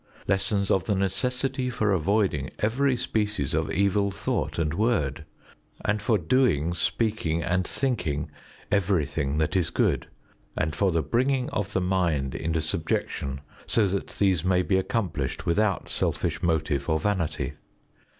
Lessons of the necessity for avoiding every species of evil thought and word, and for doing, speaking and thinking everything that is good, and for the bringing of the mind into subjection so that these may be accomplished without selfish motive or vanity.